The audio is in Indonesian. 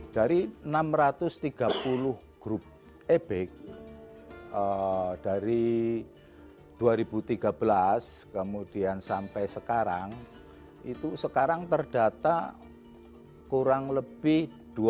dari enam ratus tiga puluh grup ebek dari dua ribu tiga belas kemudian sampai sekarang itu sekarang terdata kurang lebih dua ratus lima puluh dua ratus enam puluh